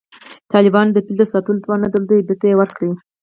طالبانو د فیل د ساتلو توان نه درلود او بېرته یې ورکړ